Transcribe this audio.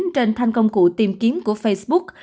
trên thanh công cụ tìm kiếm của facebook